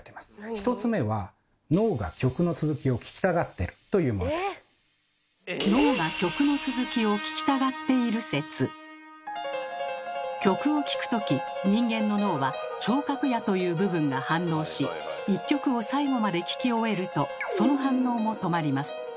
１つ目は曲を聞くとき人間の脳は「聴覚野」という部分が反応し１曲を最後まで聞き終えるとその反応も止まります。